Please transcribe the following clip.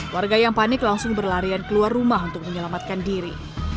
warga yang panik langsung berlarian keluar rumah untuk menyelamatkan diri